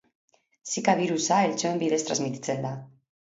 Zika birusa eltxoen bidez transmititzen da.